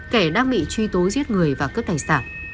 kẻ đang bị truy tố giết người và cướp tài sản